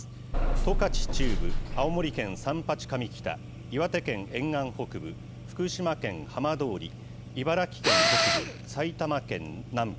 十勝中部、青森県三八上北、岩手県沿岸北部、福島県浜通り、茨城県北部、埼玉県南部。